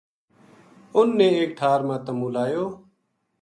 اُنھ نے ایک ٹھار ما تمو لایو